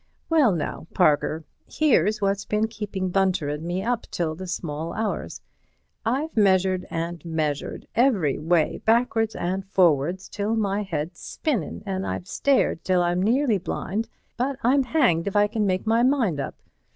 "Well, now, Parker, here's what's been keeping Bunter and me up till the small hours. I've measured and measured every way backwards and forwards till my head's spinnin', and I've stared till I'm nearly blind, but I'm hanged if I can make my mind up.